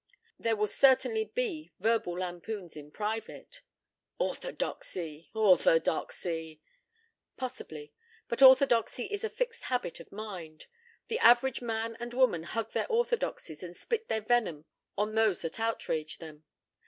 There will certainly be verbal lampoons in private." "Orthodoxy! Orthodoxy!" "Possibly. But orthodoxy is a fixed habit of mind. The average man and woman hug their orthodoxies and spit their venom on those that outrage them.